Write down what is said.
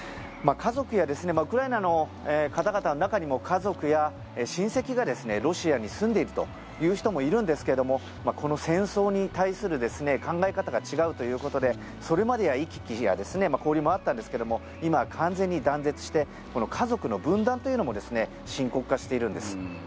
ウクライナの方々の中にも家族や親戚がロシアに住んでいるという人もいるんですけどもこの戦争に対する考え方が違うということでそれまでは行き来や交流もあったんですけども今は完全に断絶して家族の分断というのも深刻化しているんです。